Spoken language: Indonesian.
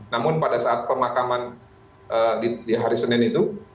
namun pada saat pemakaman di hari senin itu